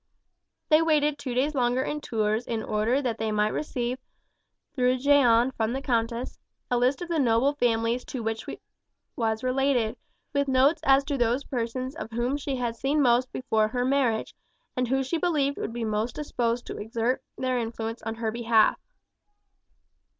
They waited two days longer in Tours in order that they might receive, through Jeanne from the countess, a list of the noble families to which she was related, with notes as to those persons of whom she had seen most before her marriage, and who she believed would be most disposed to exert their influence on her behalf.